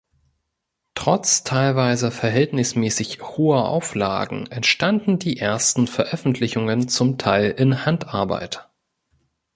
Trotz teilweise verhältnismäßig hoher Auflagen entstanden die ersten Veröffentlichungen zum Teil in Handarbeit.